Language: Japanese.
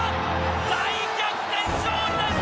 大逆転勝利です。